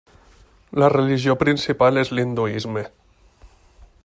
La religió principal és l'hinduisme.